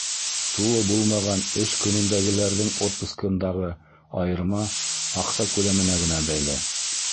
Тулы булмаған эш көнөндәгеләрҙең отпускындағы айырма аҡса күләменә генә бәйле.